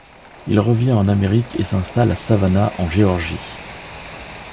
Il revient en Amérique et s'installe à Savannah en Géorgie.